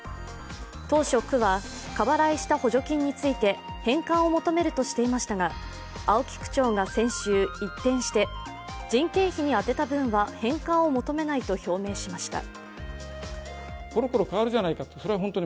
当初、区は過払いした補助金について返還を求めるとしていましたが、青木区長が先週、一転して人件費に充てた分は返還を求めないと表明しました。